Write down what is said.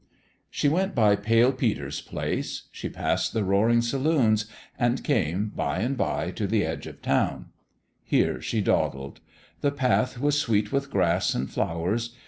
She went by Pale Peter's place ; she passed the roaring saloons, and came, by and by, to the edge of town. Here she dawdled. The path was sweet with grass and flowers.